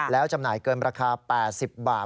แล้วจำหน่ายเกินราคา๘๐บาท